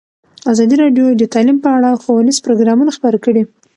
ازادي راډیو د تعلیم په اړه ښوونیز پروګرامونه خپاره کړي.